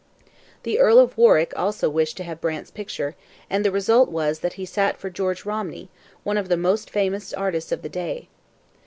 The Earl of Warwick also wished to have Brant's picture, and the result was that he sat for George Romney, one of the most famous artists of the day.